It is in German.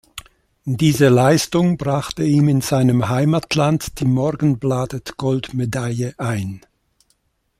Diese Leistung brachte ihm in seinem Heimatland die Morgenbladet-Goldmedaille ein.